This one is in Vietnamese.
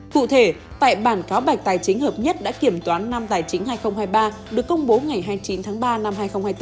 cụ thể tại bản cáo bạch tài chính hợp nhất đã kiểm toán năm tài chính hai nghìn hai mươi ba được công bố ngày hai mươi chín tháng ba năm hai nghìn hai mươi bốn